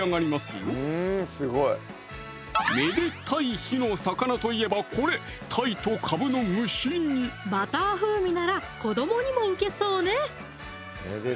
よめでタイ日の魚といえばこれバター風味なら子どもにもウケそうね